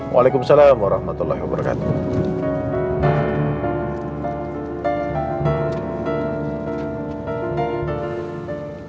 waalaikumsalam warahmatullahi wabarakatuh